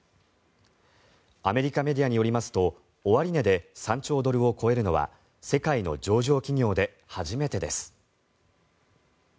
アメリカメディアによりますと終値で３兆ドルを超えるのは世界の上場企業で初めてです。